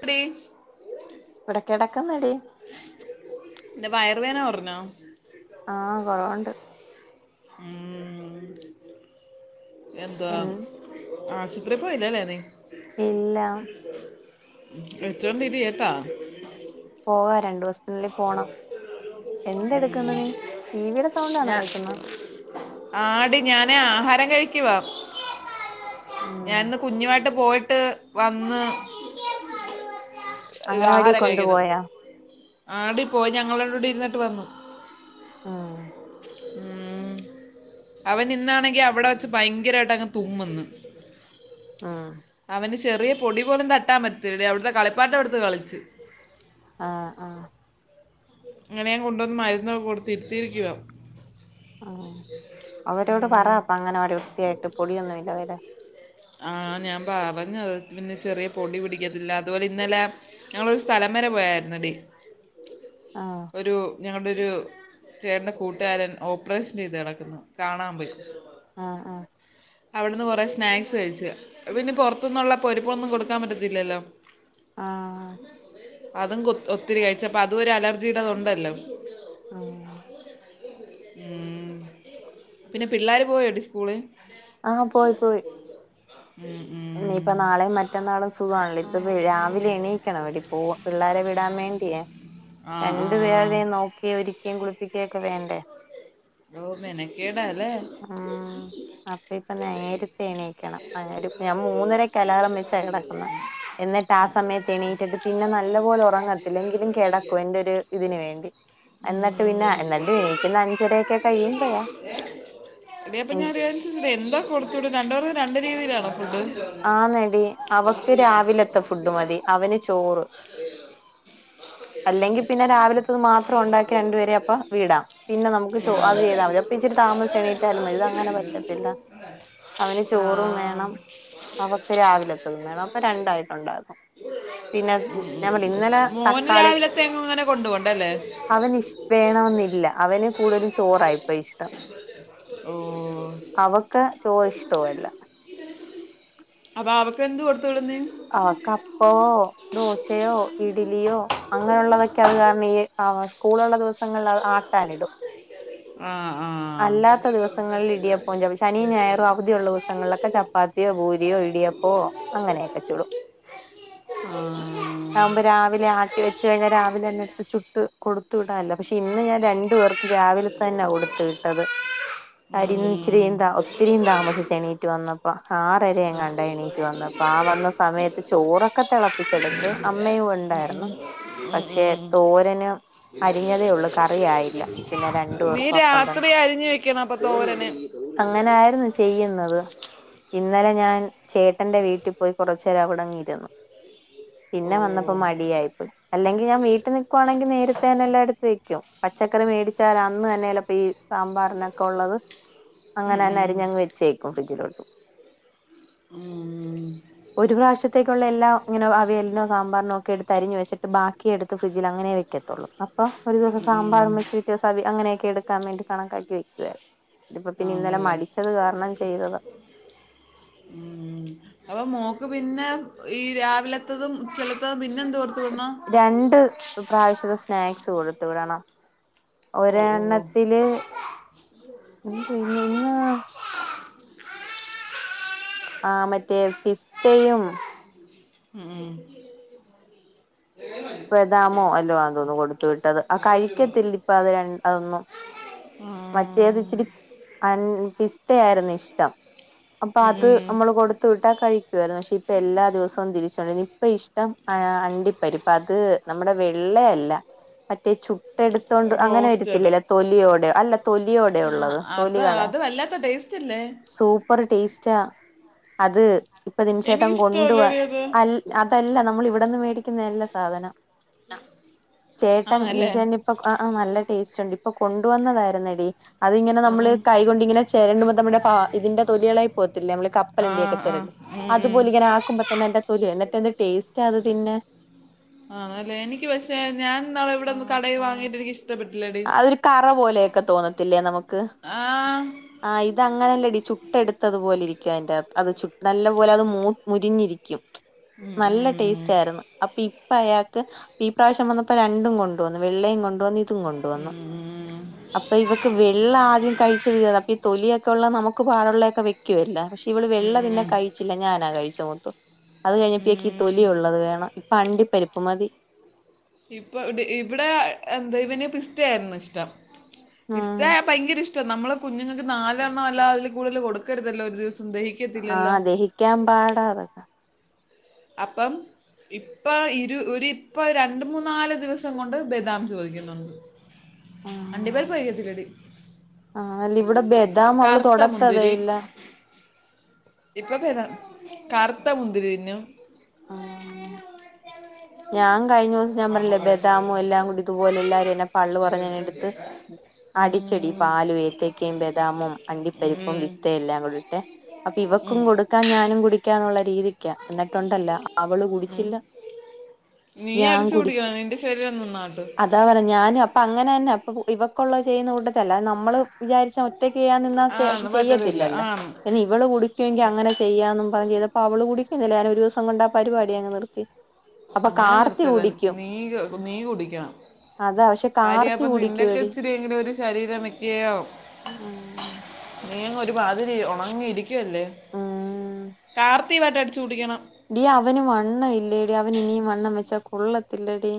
തൃവർസ് മ്മ് ഇവ്ടെ കെടക്ക്ന്നെടി. ന്റെ വയറ് വേദന കൊർഞ്ഞോ? ആഹ് കൊറവ്ണ്ട്. ഉം എന്ത്‌വാ? എൻ ആശ്പത്രി പോയല്ലോലെന്നീ. ഇല്ല വിളിച്ചോണ്ടിരി യെട്ടാ. പോവാ രണ്ടോസ് ഇല്ലേ പോണം എന്ത്‌ എട്ക്ക്ന്ന് നി ടിവിയുടെ സൗണ്ടാണോ ഞാൻ കേക്കുന്നെ. ആടി ഞാന് ആഹാരം കഴിക്ക് വാ ഉം ഞാൻന്ന്. കുഞ്ഞുവായ്ട്ട് പോയ്ട്ട് വന്ന്. അങ്ങന വാടി കൊണ്ട് പോയാ. ആ ടി പോയ് ഞങ്ങളവ്ടെ ഇരുന്നിട്ട് വന്നു. ആഹ്. ഉം. അവൻ ഇന്നാണെങ്കി അവ്ടെ വച്ച് ഭയങ്കരായിട്ടങ്ങ് തുമ്മുന്ന്. ആഹ്. അവന് ചെറിയ പൊടി പോലും തട്ടാൻ പറ്റൂല്അവ്ട്ത്തെ കളിപ്പാട്ടം എടുത്ത് കളിച്ച്. ആഹ് ആഹ്. ങ്ങനെ കൊണ്ട് വന്ന് മരുന്നൊക്കെ കൊടുത്തിരുത്തിരിക്കു വാ. ആഹ് അവരോട് പറ ഉം. അപ്പ അങ്ങനവാടി വൃത്തിയായിട്ട് പൊടിയൊന്നും ഇല്ലതിലഇടാൻ ആഹ് ഞാൻ പറഞ്ഞുത് പിന്നെ ചെറിയ പൊടി പിടിക്കത്തില്ല അത്പോലെ ഇന്നലെ. ഞങ്ങളൊരു സ്ഥലം വരെ പോയായ്ര്ന്ന്ടി. ആഹ്. ഒരു ഞങ്ങള്ടെ ഒരു. ചേട്ടന്റെ കൂട്ടുകാരൻ ഓപ്പറേഷൻ ചെയ്ത്ട്ക്കുന്നു കാണാൻ പോയി. ആഹ് ആഹ്. അവ്ട്ന്ന് കുറേ സ്നാക്സ് കഴിച്ച്. പിന്നെ പുറത്ത്ന്നുള്ള പൊരിപ്പൊന്നും കൊട്ക്കാൻ പറ്റത്തില്ലല്ലോ. ആഹ് അതും കൊ ഒത്തിരി കഴിച്ച് അപ്പ അതുംഒര് അലർജിയുടെത് ഉണ്ടല്ലോ. ആഹ്. ഉം പിന്നെ പിള്ളാര് പോയോ ടി സ്കൂള്. ആഹ് ഉം. [unintelligible] ഉം. നാളെംമറ്റന്നാളും സുഖാണല്ലോ ഇപ്പവ് രാവിലെ എണീക്കണം എടി പോ പിള്ളാരേ വിടാൻ വേണ്ടിയേ. ആ ആ രണ്ട് പേരേം നോക്കിയെം ഒര്ക്കേം കുളിപ്പിക്കേംയൊക്കെ വേണ്ടേ. യോ മേനകേടാല്ലേ. ആഹ് അപ്പ ഇപ്പൊ നേരത്തെ എണീക്കണം അയ്നൊരു. ഞാൻ മൂന്നരക്കലാറം വെച്ച കെടക്കുന്നെ എന്നിട്ട് ആ സമയത്ത് എണീറ്റിട്ട്. പിന്നെ നല്ല പോലെ ഉറങ്ങത്തില്ല എങ്കിലും കെടക്കും എന്റെ ഒരു ഇതിന് വേണ്ടി. എന്നട്ട് ഉം. പിന്നെ എന്നട്ടു എണീക്കുന്നെ അഞ്ചരൊക്കെ കഴിയുമ്പഴാ. എടി അപ്പ എങ്കി ഞാൻഒരു കാര്യം ചോദിച്ചോട്ടെ എന്താ കൊടുത്ത് വിടുന്നെ രണ്ട്പേർക്കുംരണ്ട് രീതിയിലാണോ ഫുഡ്? ആന്നെടി അവക്ക് രാവിലെത്തെ ഫുഡ് മതി അവന് ചോറ്. അല്ലെങ്കിൽ പിന്നെ രാവിലത്തത് മാത്രം ഒണ്ടാക്കി രണ്ടുപേരേം അപ്പ വീടാ പിന്നെ ന്നമക്ക് ചോ അത് ചെയ്താ മതി. ഇത്തിരി താമസിച്ച് എണീറ്റാലും മതി ഇതങ്ങനെ പറ്റത്തില്ല അവന് ആ ചോറും വേണം. അവക്ക് രാവിലത്തതും വേണം അപ്പൊ രണ്ടായിട്ടുണ്ടാക്കും പിന്നെ ൻ ഞാൻ പറഞ്ഞില്ലേ ഇന്നലെ ത മോന് രാവിലത്തെ എങ്ങുംങ്ങ്നെ കൊണ്ടു പോണ്ടല്ലേ. അവന്ഷ് വേണോന്നില്ല അവന് കൂടുതലും ചോറായിപ്പോയിഷ്ടം. ഓ അവക്ക് ചോ ഇഷ്ടവല്ല അപ്പൊ അവക്കെന്ത് കൊടുത്ത് വിടും നീ അവ്ക്കപ്പവോ ദോശയോ ഇഡലിയോ അങ്ങനെയുള്ളതൊക്കെ അത് കാരണം ഈ ആ സ്കൂളൊള്ള ദിവസം ഞങ്ങൾ അത് ആട്ടാനിടും ആഹ് ആഹ് അല്ലാത്ത പുതിയുള്ള ദിവസങ്ങളിലൊക്കെ ചപ്പാത്തിയോ പൂരിയോ ഇടിയപ്പോ അങ്ങനെയൊക്കെ ചുടും ആ. ഉ [unintelligible] ആകുമ്പോ രാവിലെ ആട്ടി വെച്ച് കഴിഞ്ഞാൽ രാവിലെ തന്നെ എടുത്ത് ചുട്ട് കൊടുത്തു വിടാമല്ല പക്ഷെ ഇന്ന് ഞാൻ രണ്ടു പേർക്ക് ക്ക് രാവിലെത്തന്നാ കൊടുത്തു വിട്ടത് ഉം. കാര്യന്നിചിരിന്താ ഒ ഒത്തിരീം താമസിച്ച് എണീറ്റ് വന്നപ്പോ ആറരങ്ങാണ്ടായി എണീറ്റ് വന്നപ്പോ ആ വന്ന സമയത്ത് ചോറൊക്കെ തിളപ്പിച്ചെടുത്ത് അമ്മയും ഉണ്ടായിരുന്നു ഉം, പക്ഷെ ഉം. തോരനും അരിഞ്ഞതേ ഉള്ളൂ കറിയായില്ല പിന്നെ രണ്ടു നീ പേർക്കും രാത്രി അരിഞ്ഞ് വെക്കണം അപ്പ തോരന് അങ്ങനാരുന്നു ചെയ്യുന്നത് ഇന്നലെ ഞാൻ ചേട്ടന്റെ വീട്ടിൽ പോയി ചരവടങ്ങിയിരുന്നു ഓ പിന്നെ വന്നപ്പോ മടിയായിപ്പോയി അല്ലെങ്കിൽ ഞാൻ വീട്ടിൽ നിൽക്കുവാണെങ്കിൽ നേരത്തെ തന്നെ എല്ലായെടുത്ത് വെക്കും പച്ചക്കറി മേടിച്ചാൽ അന്ന് തന്നെ ചെലപ്പ ഈ സാമ്പാറിനൊക്കെ ഉള്ളത് [inaudible] അങ്ങനെന്നെ ഉം. അരിഞങ്ങ് വച്ചേക്കും ഫ്രഡ്ജിലോട്ട്. മം ഒരു പ്രാവശ്യത്തേക്കുള്ള എല്ലാ ഇങ്ങനെ അവിയലിനോ സാമ്പാറിനോക്കെ എടുത്ത് അരിഞ് വച്ചിട്ട് ബാക്കി എടുത്ത് ഫ്രിഡ്ജിൽ അങ്ങനെ വെക്ക തൊള് അപ്പൊ ഒരു ദിവസ ഉം, ഉം. സാമ്പാറും വെച്ച് കിട്ടിയ സവി അങ്ങനെയൊക്കെ എടുക്കാൻ വേണ്ടി കണക്കാക്കി വെക്കുവാരുന്നു ഇതിപ്പോ പിന്നെ ഇന്നലെ മടിച്ചത് കാരണം ചെയ്തത മം അപ്പൊ മോക്ക് പിന്നെ ഈ രാവിലത്തതും ഉച്ചലത്തതും പിന്നെ എന്ത് കൊടുത്തു വിടണം രണ്ട് പ്രാവശ്യത്തെ സ്നാക്സ് കൊടുത്തു വിടണം ഓ ഒരെ ഓ എണ്ണത്തില് എന്തുവാ ഇന്ന് ഇന്ന് ആ മറ്റേ പിസ്തയും മം ബദാമോ അല്ലോ അതൊന്നുന്നു കൊടുത്ത വിട്ടത് ആ കഴിക്കത്തില്ല ഇപ്പ അത് ര അതൊന്നും ആ, മറ്റേത് ഇച്ചിരി അൻ പിസ്തയായിരുന്നു ഇഷ്ടം അപ്പൊ ഉം, അത് ഉം. നമ്മൾ കൊടുത്ത് ത്തുവിട്ടാ കഴിക്കുവായിരുന്നു പക്ഷെ ഇപ്പ എല്ലാ ദിവസവും തിരിച്ചോണ്ടരും ഇപ്പ ഇഷ്ടം അണ്ടിപ്പരി ഇപ്പ അത് നമ്മുടെ വെള്ളയല്ല മറ്റേ ചുട്ടെടുത്തോണ്ട് അങ്ങനെ റോസ്റ്റഡ് വരത്തില്ലല്ല തൊലിയോടെ അല്ല തൊലിയോടെ ആ, ഉള്ളത് അത് തൊലികളെ അത് വല്ലാത്ത ടേസ്റ്റ് അല്ലേ സൂപ്പ് സൂപ്പർ ടേസ്റ്റാ അത് ഇപ്പൊ ബിനു ചേട്ടൻ കൊണ്ടുവ എനിക്കിഷ്ടമല്ലേ അത് അൽ അതല്ല നമ്മൾ ഇവിടെന്ന് മേടിക്കുന്നതല്ല സാധനം ചേട്ടൻ ബിനു ആണല്ലേ ചേട്ടനി ഇപ്പം ആഹ് ആഹ് നല്ല ടേസ്റ്റ് ഉണ്ട് ഇപ്പൊ കൊണ്ടുവന്നതായിരുന്നടി അതിങ്ങനെ ആ നമ്മള് ഉം. കൈകൊണ്ട് ഇങ്ങനെ ചേരണ്ടുമ്പോ നമ്മടെ പാ ഇതിന്റെ തൊലിയെളകിപോവത്തില്ലേ നമ്മള് ആ കപ്പലണ്ടിയൊക്കെ ആ ചേരണ്ട് ഉം, ഉം. അതുപോലെ ഇങ്ങനെ ആക്കുമ്പോ തന്നെ അതിന്റെ തൊലി എന്നിട്ട് എന്ത് ടേസ്റ്റാ അത് തിന്നാൻ ആന്നു ആല്ലേ എനിക്ക് പക്ഷെ ഞാൻ നാളെ ഇവിടെ ഒന്ന് കടയിൽ വാങ്ങിട്ട് എനിക്ക് ഇഷ് ഇഷ്ടപ്പെട്ടില്ലേടി അതൊരു കറ പോലെയൊക്കെ തോന്നത്തില്ലേ നമുക്ക് ആ ആ ഇത് അങ്ങനെല്ലടി ചുട്ട്എടുത്തത്പോലെ ഇരിക്കും അതിന്റെ അകത്ത്ചു നല്ലപോലെ അത് മൂ മുരിഞ്ഞിരിക്കും ഉം, നല്ല ടേസ്റ്റ് ഉം. ക്കയായിരുന്നു അപ്പൊ ഇപ്പ അയാൾക്ക് ഈ പ്രാവശ്യം വന്നപ്പോ രണ്ടും കൊണ്ടു വന്നു വെള്ളയും കൊണ്ടുവന്നു ഇതും കൊണ്ട വന്നു ഉം, ഉം അപ്പൊ ഇവക്ക് വെള്ള ആദ്യം കഴിച്ച തീ അപ്പൊ തൊലിയൊക്കെയൊള്ള നമുക്ക് പാടുള്ളൊക്കെ വെക്കുവെല്ലാം പക്ഷേ ഇവള് ഉം, വെള്ള പിന്നെ ഉം. കഴി ചില്ല ഞാനാ കഴിച്ചമോത്തം അത് കഴിഞ്ഞപ്പഴേക്ക് ഈ ഉം. തൊലി ഉള്ളത് വേണം ഇപ്പെ അണ്ടി പരിപ്പ് മതി ഇപ്പെ ഇടെ ഇവടെ എന്തെ ഇവന് പിസ്റ്റ ആയിരുന്നു ഇഷ്ടം ഉം പിസ്തയാ ഭയങ്കര ഇഷ് നമ്മൾ കുഞ്ഞുങ്ങൾക്ക് നാലെണ്ണം അല്ലാതെ അതിൽ കൂടുതൽ കൊടുക്കരുതല്ലോ ഒരു ദിവസം ദഹി ആഹ് ദഹിക്കാൻ പാടാ അതൊക്കെ അപ്പം ഇപ്പം ഇരു ഒരു ഇപ്പ രണ്ട് മൂന്നാല് ദിവസം കൊണ്ട് ബെദാം ചോദിക്കുന്നുണ്ട് അണ്ടി പരിപ്പ് കഴികത്തില്ലെടി ആഹല്ല ഇവിടെ ബദാം അവള് കറുത്ത തൊടത്തതേയില്ല ഇപ്പം ഭേതാ കറുത്ത മുന്തിരി തിന്നും ആഹ് ഞാൻ കഴിഞ്ഞ ദിവസം ഞാൻ പറഞ്ഞില്ലേ ബദാമും എല്ലാം കൂടി ഇതുപോലെ എല്ലാരും എന്നെ പള്ള് പറഞ്ഞ് എടുത്ത് അടിച്ചെടി ഉം, പാലും, ഏത്തക്കയും, ബദാമും, അണ്ടിപ്പരിപ്പും, ഉം, പിസ് എല്ലാം കൂടിട്ടെ അപ്പൊ ഇവക്കും കൊടുക്കാൻ ഞാനും കുടിക്കാന്നുള്ള രീതി ക്കാ എന്നിട്ടൊണ്ടല്ലേ അവള് ഉം. കുടിച്ചില്ല നീ ഞാൻ അടിച്ചു കുടിച്ച് കുടിക്കണം നിന്റെ ശരീരം നന്നാവട്ട് അതാ പറഞ്ഞ് ഞാന് അപ്പൊ അങ്ങനെ തന്നെ അപ്പൊ ഇവൊക്കെള്ള ചെയ്യുന്ന കൂട്ടത്തില് അല്ലാതെ നമ്മള് വിചാരിച്ച ഒറ്റക്ക് ചെയ്യാൻ നിന്നാ ആ ചെ പറ്റത്തില്ല ചെയ്യത്തില്ലല്ലോ ആ എന്നി ഇവള് കുടിക്കുവെങ്കിൽ അങ്ങനെ ചെയ്യായെന്ന് പറഞ്ഞ് ചെയ്തപ്പോ അവള് കുടിക്കുന്നില്ല ഞാനൊരു ദിവസം കൊണ്ട് ആ പരിപാടി അങ്ങ് നിർത്തി അപ്പൊ അങ്ങനെ കാർത്തി നിർത്തരുത് കുടിക്കും നീ നീ കുടിക്കണം അതാ പക്ഷെ കാര്യ കാർത്തി അപ്പൊ നിന്നൊക്ക് കുടിക്കുവെടി ഇച്ചിരി എങ്കിലെ ഒരു ശരീരം വെയ്ക്കുകയോ നീ അങ്ങ് ഒരു മാതിരി ഒണങ്ങി ഇരിക്കുവല്ലേ ഉം കാർത്തിവായിട്ട് അടിച്ച് കുടിക്കണം ഡീ അവന് വണ്ണംയില്ലെടി അവന് ഇനിയും വണ്ണം വെച്ചാ കൊള്ളത്തില്ലെടി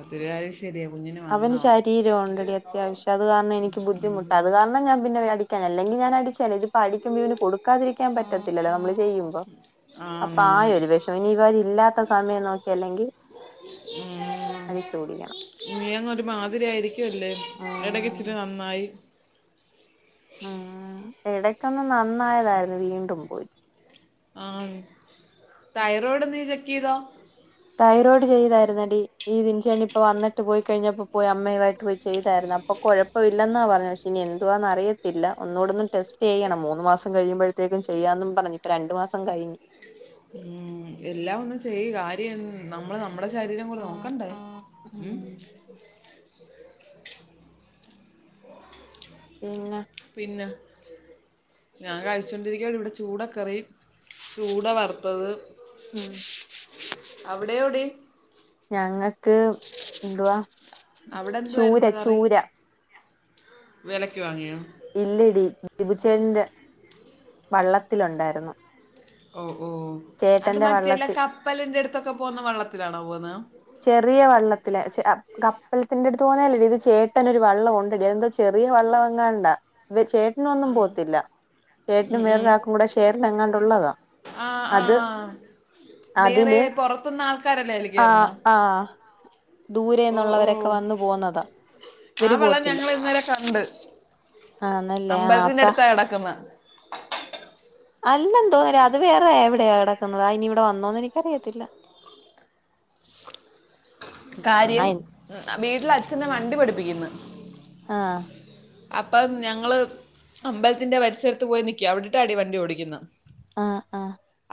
അത്ര ആയുഷ് ചെറിയ കുഞ്ഞിനൊക്കെ അവന് ശരീരം ഓണ്ടെഡി അത്യാവശ്യം അത് കാരണം എനിക്ക് ബുദ്ധിമുട്ട അത് കാരണം എന്നാ ഞാൻ പിന്നെ അടിക്കാഞ്ഞേ അല്ലെങ്കി ഞാൻ അടിച്ചേനേ ഇതിപ്പ അടിക്കുമ്പോ ഇവന് കൊടുക്കാതിരി ക്കാൻ പറ്റത്തില്ലോ നമ്മള് ചെയ്യുമ്പം ആ അപ്പൊ നന്ന്. ആകെ ഒരു വിഷമം ഇനി ഇവർ ഇല്ലാത്ത സമയം നോക്കി അല്ലെങ്കിൽ ഉം. അടിച്ചു കുടിക്കണം നീ അങ്ങ് ഒരു മാതിരിയായിരിക്കുവല്ലേ ആഹ് എടക്ക് ഇച്ചിരി നന്നായി ആഹ് എടക്കൊന്ന് നന്നായതായിരുന്നു വീണ്ടും പോയി ആഹ് തൈറോയ്ഡ് നി ചെക്ക് ചെയ്തോ തൈറോയ്ഡ് ചെയ്തായിരുന്നടി ഈ വിൻഷേട്ടൻ ഇപ്പോ വന്നിട്ട് പോയി കഴിഞ്ഞപ്പോ പോയി അമ്മയുവായിട്ട് പോയി ചെയ്തായിരുന്നു അ ഇപ്പൊ കൊഴപ്പമില്ലെന്നാ പറഞ്ഞു പക്ഷെ ഇനി എന്തുവാന്ന് അറിയത്തില്ല ഒന്നൂടൊന്നും ടെസ്റ്റ് ചെയ്യണം മൂന്ന് മാസം കഴിയുമ്പഴ് ത്തേക്കും ചെയ്യാന്നും പറഞ്ഞ് ഇപ്പൊ രണ്ടു മാസം കഴിഞ്ഞ് ഉം എല്ലാം ഒന്നു ചെയ്യ് കാര്യം നമ്മള് നമ്മടെ ശരീരം കൂടെ നോക്കണ്ടേ ഉം പിന്നെ പിന്ന ഞാൻ കഴിച്ചോണ്ടിരിക്കയാണ്. ഇവിടെ ചൂടക്കറി, ചൂട വറുത്തത് ആഹ് അവിടെയൊ ടീ ഞങ്ങക്ക് എന്തുവാ അവിടെ ചൂര എന്തുവായിരുന്നു കറി? ചൂര വെലക്ക് വാങ്ങിയോ ഇല്ലടി ദിപുചേട്ന്റെ വള്ളത്തിലുണ്ടായിരുന്നു ഓഹ് ഓഹ് അത് ചേട്ടന്റെ മറ്റേല്ല വള്ളത്തിൽ കപ്പലിന്റെ അടുത്തൊക്കെ പോകുന്ന വള്ളത്തിലാണോ പോകുന്ന് ചെറിയ വള്ളത്തിലെ ചെ അ കപ്പലത്തിന്റെടുത്ത് പോവുന്ന അല്ലടി ഇത് ചേട്ടനൊരു വള്ള ഒണ്ടെടി അയെന്തോ ചെറിയ വള്ള എങ്ങാണ്ടാ വെ ചേട്ടനൊന്നും പോവത്തില്ല ചേട്ടനും വേറൊരാക്കും കൂടെ ഷേർലെങ്ങാണ്ടുള്ളതാ ആ ആ അത് വേറെ അതില് പൊറത്ത്ന്ന് ആൾക്കാരല്ലേ അയ്ല് കേ ആഹ് ആഹ് ഓഹ് ദൂരെന്നുള്ളവരൊക്കെ ഓഹ്. വന്നു പോന്നതാ ആ ഇവര് വള്ളം പോവത്തില്ല ഞങ്ങള് ഇന്നലെ കണ്ട് ആന്നല്ലേ ആഹ് അമ്പലത്തിന്റെ അപ്പ എടുത്താ കെടെക്കുന്ന അല്ലന്ന് തോന്ന്ണെടി അത് വേറെ എവിടെയാ കെടക്കുന്നത് ആ ഇനി ഇവടെ വന്നോന്ന് എനിക്കറിയത്തില്ല. കാര്യം അയിന് വീട്ടിലച്ഛനെ വണ്ടി പഠിപ്പിക്ക്ന്ന് ആഹ് അപ്പം ഞങ്ങള് അമ്പലത്തിന്റെ വരിസരത്ത് പോയി നിക്ക്യാ. അവിടെട്ടാടി വണ്ടി ഓടിക്കുന്ന് ആഹ് അ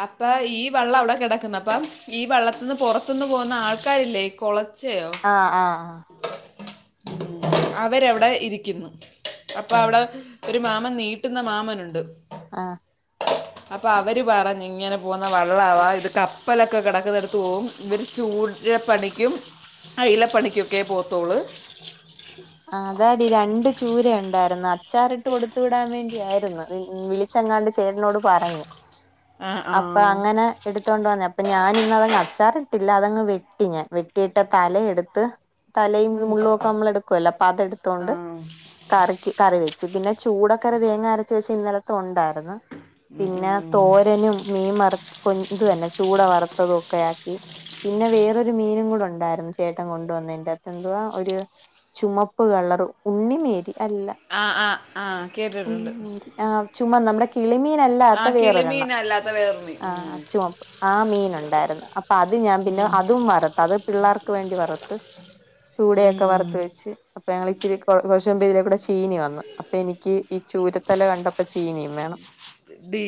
അപ്പാ ഈ വള്ളം അവ്ടെ കിടക്ക്ന്ന് അപ്പം ഈ വള്ളത്ത്ന്ന് പൊറത്ത്ന്ന് പോവുന്ന ആൾക്കാരില്ലേ കൊളച്ചെയൊ? ആഹ് ആഹ് ആഹ് ഉം അവരവ്ടെ ഇരിക്കുന്ന് അപ്പ ആഹ് അവ്ടെ ഒരു മാമൻ നീട്ടുന്ന മാമനുണ്ട് ആഹ് അപ്പൊ അവര് പറഞ്ഞ് ഇങ്ങനെ പോവ്ന്ന വള്ളവാ ഇത് കപ്പലൊക്കെ കെടക്ക്ന്നട്ത്ത് പോവും ഇവര് ചൂ രപ്പണിക്കും അയിലപ്പണിക്കൊക്കെ പോവത്തുള്ള് ആഹ് അതാടി രണ്ട് ചൂര ഇണ്ടായിര്ന്ന് അച്ചാറിട്ട് കൊടുത്തുവിടാൻ വേണ്ടിയായിരുന്ന്. അതി വിളി ച്ചെങ്ങാണ്ട് ചേട്ടനോട് പറഞ്ഞ് ആ ആ അപ്പൊ അങ്ങനെ എടുത്തോണ്ട് വന്നയാ. അപ്പ ഞാനിന്ന്‌ അതങ്ങ് അച്ചാറിട്ടില്ല അതങ്ങ് വെട്ടി ഞാൻ വെട്ടിയിട്ട് തലയെട്ത്ത് തലയും മുള്ള് ഒക്കെ നമ്മളെടുക്കല്ലോ അപ്പ ആ അതെടുത്തോണ്ട് കറിയ്ക്ക് കറി വെച്ച്. പിന്നെ ചൂടകറി തേങ്ങ അരച്ച് വെച്ചെ ഇന്നലത്തെ ഉണ്ടായിരുന്ന്. ഉം, പിന്നെ ഉം. തോരനും മീൻ വറ്ത് കൊ ഇത് തന്നെ ചൂട വറുത്തതൊക്കെയാക്കി. പിന്നെ വേറൊരു മീനും കൂടെ ഉണ്ടായിരുന്നു ചേട്ടൻ കൊണ്ടു വന്നേ ന്റകത്ത് എന്തുവാ ഒര് ചുമപ്പ് കളറ് ഉണ്ണിമേരി അല്ല ആ ആ ആ കേട്ടിട്ടുണ്ട് ഉണ്ണിമേരി ആഹ് ചുമന്ന നമ്മുടെ കിളിമീനല്ലാത്ത വേറൊരെണ്ണം ത്ത വേറൊര് മി ആഹ്. ചുമപ് ആ മീന് ഉണ്ടായിരുന്ന് അപ്പൊ അത് ഞാൻ പിന്നെ അതും വർത്ത് അത് പിള്ളേർ ക്ക് വേണ്ടി വറത്ത് ചൂടയൊക്കെ ഉം. വറത്ത് വെച്ച് അപ്പ ഞങ്ങളിച്ചിരി [unintelligible] ഇതിലേക്കൂടെ ചീനി വന്ന്. അപ്പെ എനിയ്ക്ക് ഈ ചൂരത്തല കണ്ടപ്പം ചീനിം വേണം ഡീ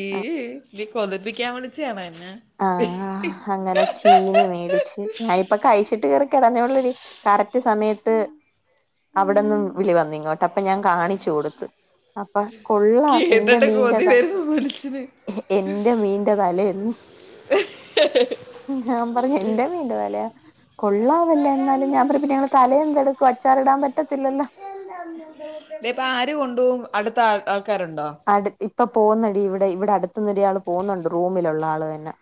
നീ കൊതപ്പിക്കാൻ വിളിച്ചയാണോ എന്നെ ആഹാ ഹങ്ങനെ ചീനി മേടിച്ച്. ഞാന് ഇപ്പൊ കഴിച്ചിട്ട് കേറി കെടന്നെ ഒള്ളെടി കറക്റ്റ് സമയത്ത് അവടന്നും വിളി വന്നിങ്ങോട്ട് അപ്പൊ ഞാൻ കാണിച്ച് കൊടുത്ത് അപ്പ കൊള്ളാം എന്റെ കേട്ടിട്ട് കൊതി മീന്റത വരുന്നു മനുഷ്യന് എന്റെ മീന്റെ തലേ ന്ന് [unintelligible] ഞാമ്പറഞ്ഞ് എന്റെ മീന്റെ തലയാ കൊള്ളാവല്ലോ എന്നാലും ഞാമ്പറ പിന്നെ ഇങ്ങളതലയെന്തെടു കൊ അച്ചാർ ടാ പറ്റത്തില്ലല്ലാ ലിപ്പാര് കൊണ്ടോവും അടുത്താ ആൾ ആൾക്കാര്ണ്ടോ അട് ഇപ്പൊ പോന്നെടി ഇവ്ടെ ഇവിടെ അടുത്ത്ന്നൊരാള് പൊന്ന്ണ്ട് റൂമിലുള്ള ആള് തന്നെ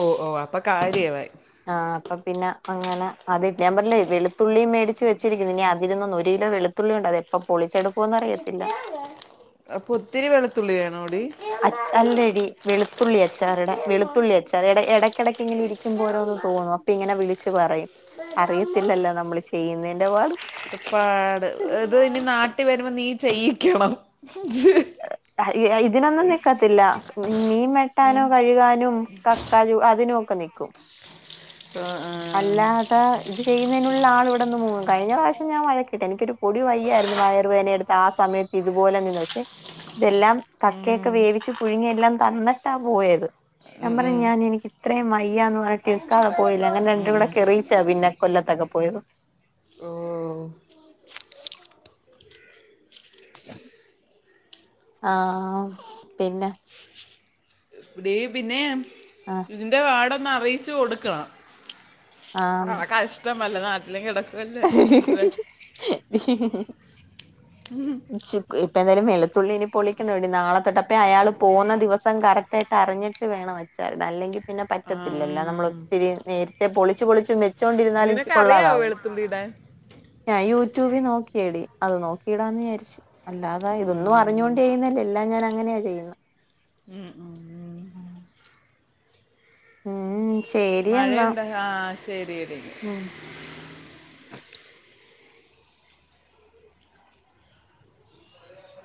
ഓ ഓ അപ്പ കാര്യവായി ആഹ് അപ്പൊ പിന്നെ അങ്ങനെ അത് ഞാൻ പറഞ്ഞില്ലേ വെളുത്തുള്ളി മേടിച്ച് വെച്ചിരിക്കുന്നു ഇനി അതിലിന്ന് ഒരിലോ വെള് തുള്ളിണ്ട് അത് എപ്പൊ പൊളിച്ചെടുക്കുംന്ന് അറിയത്തില്ല അപ്പോത്തിരി വെളുത്തുള്ളി വേണോടി അച്ചാ അല്ലെടി വെളു ത്തുള്ളി അച്ചാറിടാൻ വെളുത്തുള്ളി അച്ചാർ എട എടക്ക ടക്ക് ഇങ്ങന ഇരിക്കും മ്പോരോന്ന് തോന്നും അപ്പ ഇങ്ങനെ വിളിച്ച് പറയും അറിയത്തില്ലല്ലോ നമ്മൾ ചെയ്യുന്നേന്റെ പാട് അത് ഇനി നാട്ടി വരുമ്പോ നീ ചെയ്യിക്കണം ഇതിനൊന്നും നിക്കത്തില്ല മീൻ വെട്ടാനും കഴുകാനും കക്കാലു അതിനൊക്കെ നിക്കും അല്ലാ ആഹ് ഇത് ചെയ്യുന്നതിനുള്ള ആൾ ഇവിടെന്ന് മുങ്ങും കഴിഞ്ഞ പ്രാവശ്യം ഞാ വഴക്കിട്ട് എനിക്കരു പൊടി വയ്യാരുന്നു വയറു വേദന എടു ആ സമയത്ത് ഇതുപോലെ നിന്ന് പഷെ ഇതെല്ലാം കക്കയൊക്കെ വേവിച്ച് പുഴുങ്ങി എല്ലാം തന്ന്ട്ടാ പോയത് ഞാ പറഞ്ഞു ഞാൻ എനിക്ക് ഇത്രയും വയ്യാന്ന് പറഞ്ഞിട്ട് നിക്കാതെ പോയില്ല അങ്ങനെ രണ്ടും കൂടെ കെറിയിച്ചാ പിന്നെ കൊല്ലത്തൊക്കെ പോയത് ഓ ആഹ് പിന്നെ വിടീം പിന്നെ ആഹ് ഇതിന്റെ പാടൊന്ന് അറിയിച്ചു കൊടുക്ക അ ക്കഷ്ടംമല്ല നാട്ടിലെങ്ക കട ആ [inaudible] ഇപ്പ എന്തായാലും വെളുത്തുള്ളി ഇനി പൊളിക്കണേടി നാളെ തൊട്ടപ്പേ അയാൾ പോന്ന ദിവസം കറക്റ്റ് ആ അറിഞ്ഞിട്ട് വേണം അച്ചാറിണ്ടാൻ അല്ലെങ്കി പിന്നെ ആം. പറ്റത്തില്ലല്ല നമ്മളൾ ഒത്തിരി നേരത്തെ പൊളിച്ച് പൊളിച്ച് വ വെച്ചോണ്ടിരുന്നാലും കൊള്ളാതാവു തുള്ളിടാൻ ഞാ യൂട്യൂബി നോക്കിയേടി അത് നോക്കിടാന്ന് വിചരിച്ചു. അല്ലാതെ ഉം, ഇതൊന്നു അ റിഞ്ഞോണ്ട് ഉം, ചെയ്യുന്നല്ല എല്ലാം ഞാന ങ്ങനെയാ ചെയ്യുന്ന് മ് മ് [inaudible] ഉം ശരി എന്നാ മഴയുണ്ട ആഹ് ശരി യടി ഉം